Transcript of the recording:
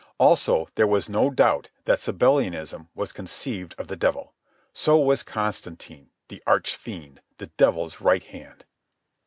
Also, there was no doubt that Sabellianism was conceived of the devil. So was Constantine, the arch fiend, the devil's right hand.